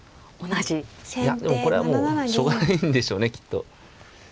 いやでもこれはもうしょうがないんでしょうねきっと。